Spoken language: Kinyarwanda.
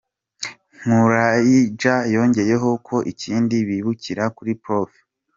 Nkurayija yongeyeho ko ikindi bibukira kuri Prof.